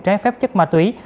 trái phép chất ma túy